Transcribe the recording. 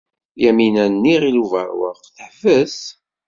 Yamina n Yiɣil Ubeṛwaq teḥbes.